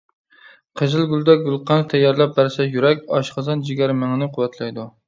قىزىلگۈلدە گۈلقەنت تەييارلاپ بەرسە يۈرەك، ئاشقازان، جىگەر، مېڭىنى قۇۋۋەتلەيدۇ.